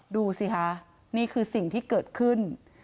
ดูสิคะนี่คือสิ่งที่เกิดขึ้น